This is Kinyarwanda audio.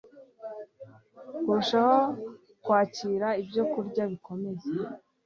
kurushaho kwakira ibyokurya bikomeye